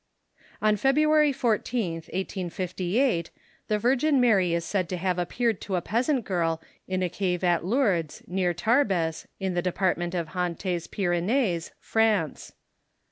On February 14th, 1858, the Virgin Mary is said to have appeared to a peasant girl in a cave at Lourdes, near Tarbes, in the Department of Hautes Pyrenees, France.